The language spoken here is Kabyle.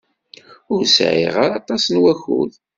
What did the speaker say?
Ur sɛiɣ ara aṭas n wakud.